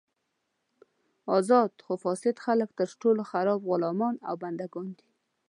ازاد خو فاسد خلک تر ټولو خراب غلامان او بندګان دي.